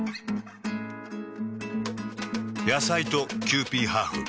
野菜とキユーピーハーフ。